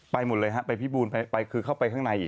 หมดเลยฮะไปพี่บูลไปคือเข้าไปข้างในอีก